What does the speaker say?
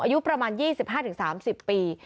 อายุประมาณ๒๕๓๐ปี